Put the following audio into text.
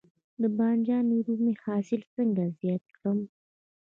د بانجان رومي حاصل څنګه زیات کړم؟